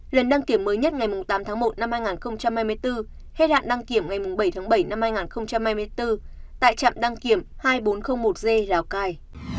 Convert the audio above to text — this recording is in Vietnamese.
lần đăng kiểm mới nhất ngày tám tháng một năm hai nghìn hai mươi bốn hết hạn đăng kiểm ngày bảy tháng bảy năm hai nghìn hai mươi bốn tại trạm đăng kiểm hai nghìn bốn trăm linh một g lào cai